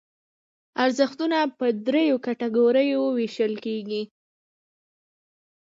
ارزښتونه په دریو کټګوریو ویشل کېږي.